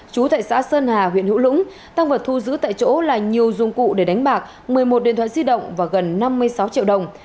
chú tại xã sơn hà huyện hữu lũng tăng vật thu giữ tại chỗ là nhiều dụng cụ để đánh bạc một mươi một điện thoại di động và gần năm mươi sáu triệu đồng